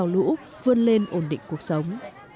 lũ vươn lên ổn định cuộc sống